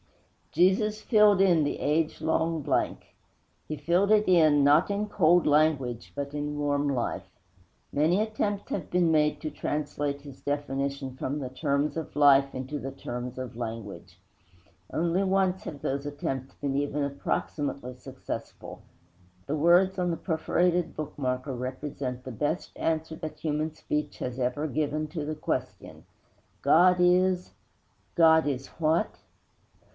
Jesus filled in the age long blank; He filled it in, not in cold language, but in warm life. Many attempts have been made to translate His definition from the terms of life into the terms of language. Only once have those attempts been even approximately successful. The words on the perforated bookmarker represent the best answer that human speech has ever given to the question. _God is _ _God is what?